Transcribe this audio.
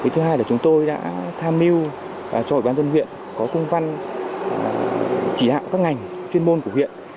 thứ hai là chúng tôi đã tham mưu cho ủy ban dân huyện có công văn chỉ đạo các ngành chuyên môn của huyện